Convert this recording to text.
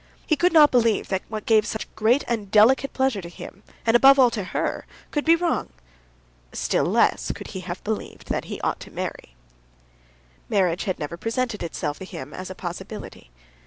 He could not believe that what gave such great and delicate pleasure to him, and above all to her, could be wrong. Still less could he have believed that he ought to marry. Marriage had never presented itself to him as a possibility.